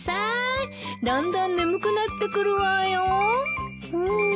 どんどん眠くなってくるわよ。